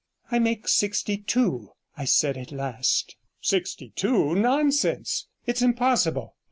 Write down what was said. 'I make sixty two,' I said at last. 'Sixty two? Nonsense; it's impossible.